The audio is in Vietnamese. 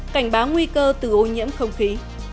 cảnh báo nguy cơ từ ô nhiễm không khí